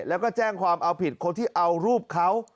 แล้วก็แจ้งความเอาผิดคนที่เอารูปเขา